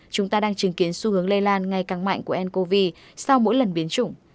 chúng ta đang chứng kiến xu hướng lây lan ngày càng mạnh của ncov sau mỗi lần biến chủng